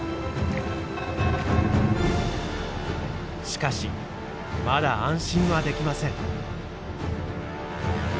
しかしまだ安心はできません。